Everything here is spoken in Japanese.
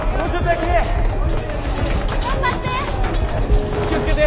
足気を付けて。